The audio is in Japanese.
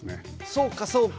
そうかそうか。